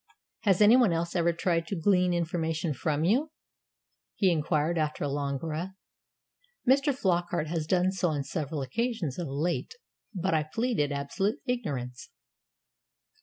"Has anyone else ever tried to glean information from you?" he inquired, after a long breath. "Mr. Flockart has done so on several occasions of late. But I pleaded absolute ignorance."